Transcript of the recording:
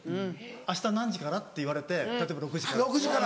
「明日何時から？」って言われて例えば「６時から」。